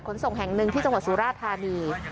ส่งแห่งหนึ่งที่จังหวัดสุราธานี